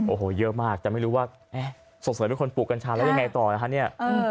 โอ้โหเยอะมากแต่ไม่รู้ว่าสงสัยเป็นคนปลูกกัญชาแล้วยังไงต่อนะคะเนี่ย